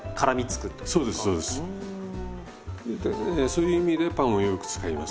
そういう意味でパンをよく使いますね。